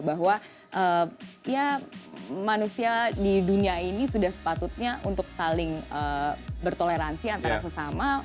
bahwa ya manusia di dunia ini sudah sepatutnya untuk saling bertoleransi antara sesama